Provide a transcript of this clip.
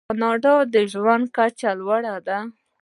د کاناډا ژوند کچه لوړه ده.